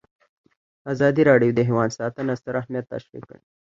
ازادي راډیو د حیوان ساتنه ستر اهميت تشریح کړی.